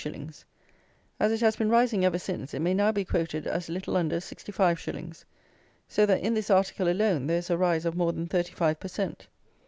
_ As it has been rising ever since, it may now be quoted as little under 65s. So that in this article alone there is a rise of more than thirty five per cent.